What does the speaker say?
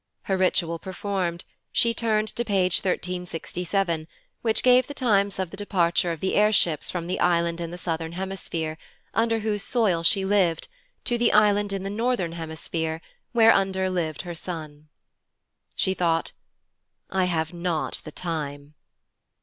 Her ritual performed, she turned to page 1367, which gave the times of the departure of the air ships from the island in the southern hemisphere, under whose soil she lived, to the island in the northern hemisphere, whereunder lived her son. She thought, 'I have not the time.'